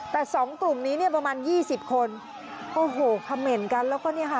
แต่สองกลุ่มนี้เนี่ยประมาณยี่สิบคนโอ้โหคำเมนต์กันแล้วก็เนี่ยค่ะ